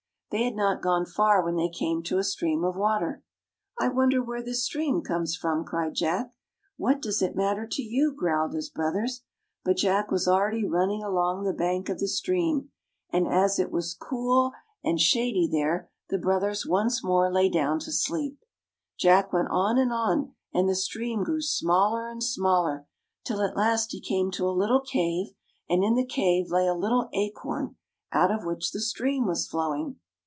They had not gone far when they came to a stream of water. " I wonder where this stream comes from! " cried Jack. " What does it matter to you? " growled his brothers. But Jack was already running along the bank of the stream, and as it was cool and [ns] FAVORITE FAIRY TALES RETOLD shady there, the brothers once more lay down to sleep. Jack went on and on, and the stream grew smaller and smaller, till at last he came to a little cave, and in the cave lay a little acorn, out of which the stream was flowing.